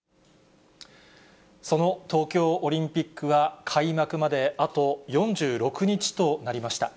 その東京オリンピックは、開幕まであと４６日となりました。